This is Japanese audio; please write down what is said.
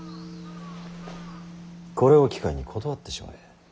これを機会に断ってしまえ。